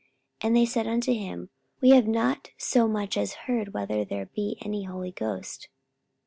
And they said unto him, We have not so much as heard whether there be any Holy Ghost.